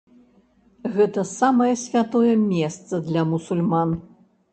Гэта самае святое месца для мусульман.